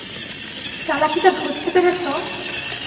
চালাকিটা ধরতে পেরেছো?